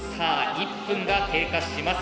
１分が経過します。